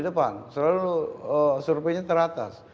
di depan selalu surveinya teratas